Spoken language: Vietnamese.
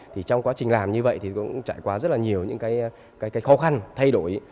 trong quá trình làm như vậy thì cũng trải qua rất là nhiều những khó khăn thay đổi